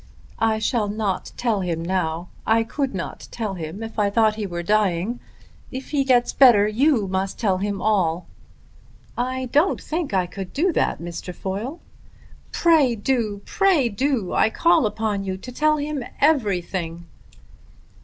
"I shall not tell him now. I could not tell him if I thought he were dying. If he gets better you must tell him all." "I don't think I could do that, Miss Trefoil." "Pray do; pray do. I call upon you to tell him everything."